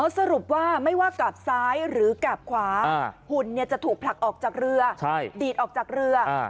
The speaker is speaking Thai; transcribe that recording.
สรุปว่าไม่ว่ากราบซ้ายหรือกราบขวาหุ่นจะถูกผลักออกจากเรือดีดออกจากเรือ